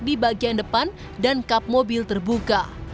di bagian depan dan kap mobil terbuka